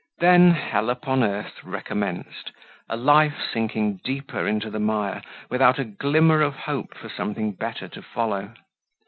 Then hell upon earth recommenced, a life sinking deeper into the mire, without a glimmer of hope for something better to follow.